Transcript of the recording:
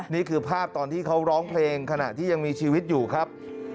นี่คือภาพตอนที่เขาร้องเพลงขณะที่ยังมีชีวิตอยู่ครับ